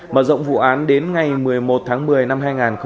mở rộng vụ án đến ngày một mươi một tháng một mươi năm hai nghìn hai mươi